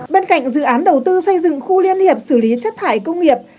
bên cạnh dự án đầu tư xây dựng khu liên hiệp xử lý chất thải công nghiệp